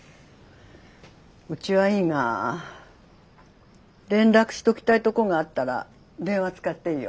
うちはいいが連絡しときたいとこがあったら電話使っていいよ。